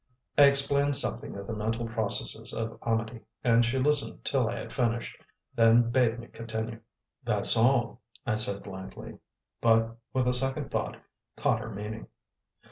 I explained something of the mental processes of Amedee, and she listened till I had finished; then bade me continue. "That's all," I said blankly, but, with a second thought, caught her meaning.